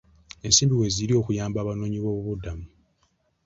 Ensimbi weeziri okuyamba Abanoonyiboobubudamu.